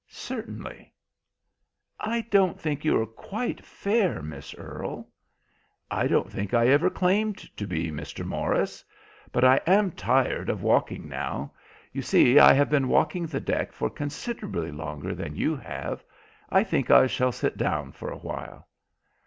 "Certainly." "I don't think you are quite fair, Miss Earle." "I don't think I ever claimed to be, Mr. Morris. But I am tired of walking now. You see, I have been walking the deck for considerably longer than you have. I think I shall sit down for a while."